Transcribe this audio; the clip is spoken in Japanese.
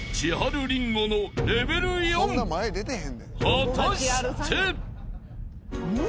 ［果たして？］